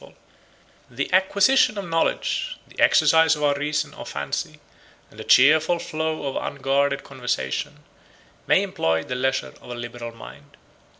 ] The acquisition of knowledge, the exercise of our reason or fancy, and the cheerful flow of unguarded conversation, may employ the leisure of a liberal mind.